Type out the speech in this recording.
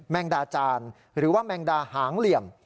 งดาจานหรือว่าแมงดาหางเหลี่ยม